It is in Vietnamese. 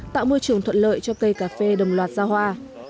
tạo môi trường thuận lợi cho cây cà phê đồng loạt ra hoa